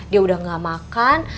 dia udah gak makan